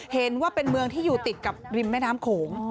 เห็นว่าเป็นเมืองที่อยู่ติดกับริมแม่น้ำโขง